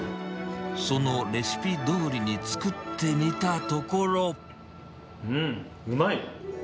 そのレシピどおりに作ってみうん、うまい！